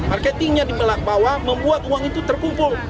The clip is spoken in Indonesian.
marketingnya di belak bawah membuat uang itu terkumpul